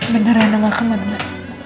beneran aku mau ke mana mak